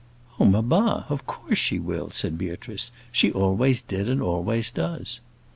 "Oh, mamma! of course she will," said Beatrice; "she always did and always does."